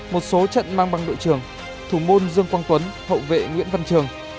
một số trận mang băng đội trưởng thủ môn dương quang tuấn hậu vệ nguyễn văn trường